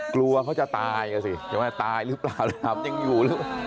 กลัวว่าเขาจะตายกันสิแต่ว่าตายหรือเปล่ายังอยู่